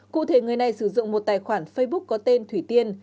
cụ thể người này sử dụng một tài khoản facebook có tên thủy tiên